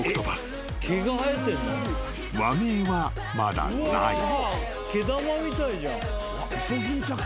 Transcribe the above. ［和名はまだない］